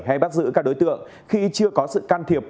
hay bắt giữ các đối tượng khi chưa có sự can thiệp